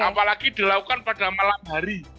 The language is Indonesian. apalagi dilakukan pada malam hari